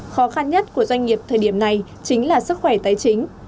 khó khăn nhất của doanh nghiệp thời điểm này chính là sức khỏe tài chính